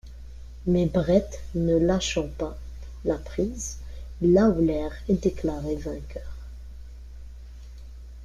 Mais Bret ne lâchant pas la prise, Lawler est déclaré vainqueur.